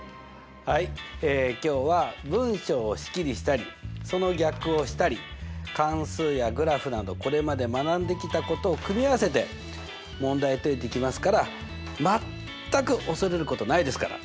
はい今日は文章を式にしたりその逆をしたり関数やグラフなどこれまで学んできたことを組み合わせて問題解いていきますから全く恐れることないですから！